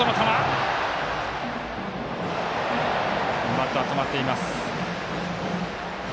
バットは止まっています。